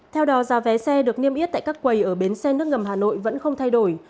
theo đó giá vé xe được niêm yết tại các quầy ở bến xe nước ngầm hà nội vẫn không thay đổi